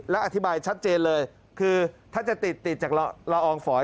แล้วอธิบายชัดเจนเลยคือถ้าจะติดติดจากละอองฝอย